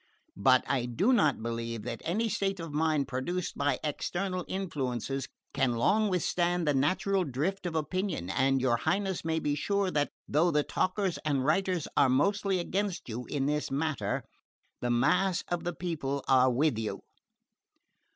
But I do not believe that any state of mind produced by external influences can long withstand the natural drift of opinion; and your Highness may be sure that, though the talkers and writers are mostly against you in this matter, the mass of the people are with you."